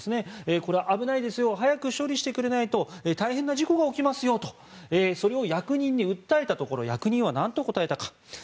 これ、危ないですよ早く処理してくれないと大変な事故が起きますよとそれを役人に訴えたところ役人は、なんと答えたか。